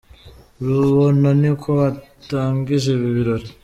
Rubona niko katangije ibi birori.